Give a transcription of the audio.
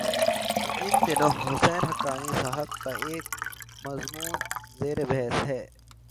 ان دنوں حسین حقانی صاحب کا ایک مضمون زیر بحث ہے۔